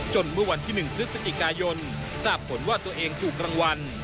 เมื่อวันที่๑พฤศจิกายนทราบผลว่าตัวเองถูกรางวัล